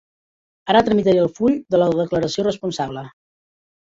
Ara tramitaré el full de la declaració responsable.